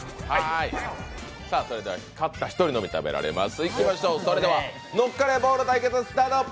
勝った１人のみ食べられます